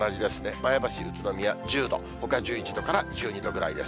前橋、宇都宮１０度、ほか１１度から１２度ぐらいです。